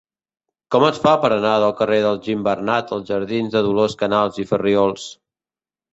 Com es fa per anar del carrer dels Gimbernat als jardins de Dolors Canals i Farriols?